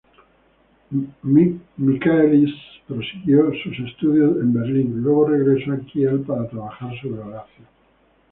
Michaelis prosiguió sus estudios en Berlín, luego regresó a Kiel para trabajar sobre Horacio.